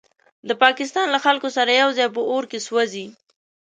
د پاکستان له خلکو سره یوځای په اور کې سوځي.